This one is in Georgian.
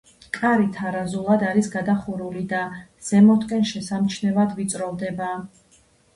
კარი თარაზულად არის გადახურული და ზემოთკენ შესამჩნევად ვიწროვდება.